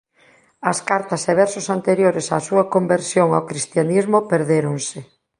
As cartas e versos anteriores á súa conversión ao cristianismo perdéronse.